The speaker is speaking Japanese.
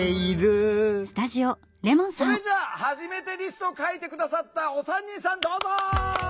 それじゃあ「はじめてリスト」を書いて下さったお三人さんどうぞ！